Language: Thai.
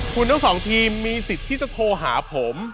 คุณทั้งสองทีมมีสิทธิ์ที่จะโทรหาผม